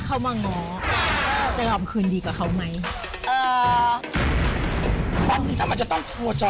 เขามาง้อจะยอมคืนดีกับเขาไหมเอ่อมันจะต้องทั่วจอ